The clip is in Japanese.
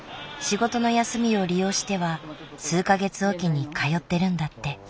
仕事の休みを利用しては数か月おきに通ってるんだって。